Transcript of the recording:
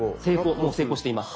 もう成功しています。